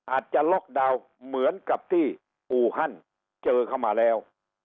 อาจจะล็อกดาวน์เหมือนกับที่อูฮันเจอเข้ามาแล้ว